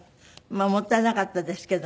もったいなかったですけども。